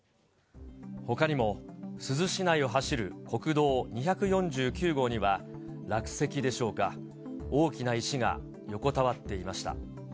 ほかにも珠洲市内を走る国道２４９号には、落石でしょうか、大きな石が横たわっていました。